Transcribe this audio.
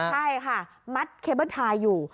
ใช่ค่ะมัดเคเบิ้ลทายอยู่